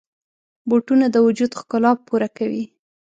بوټونه د وجود ښکلا پوره کوي.